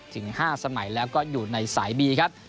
ถึง๕สมัยแล้วก็อยู่ในสายบีครับ